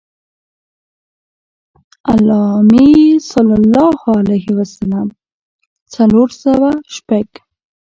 علّامي ص څلور سوه شپږ.